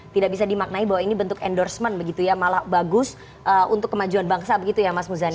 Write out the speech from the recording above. tidak bisa dimaknai bahwa ini bentuk endorsement begitu ya malah bagus untuk kemajuan bangsa begitu ya mas muzani